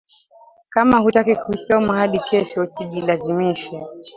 Kama hutaki kusoma hadi kesho usijilazimishe